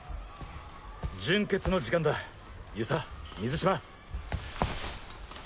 準決の時間だ遊佐水嶋。